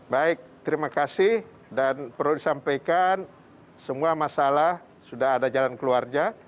baik terima kasih dan perlu disampaikan semua masalah sudah ada jalan keluarnya